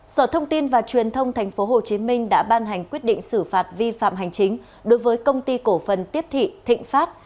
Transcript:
sở thông tin và truyền thông tp hcm đã ban hành quyết định xử phạt vi phạm hành chính đối với công ty cổ phần tiếp thị thịnh pháp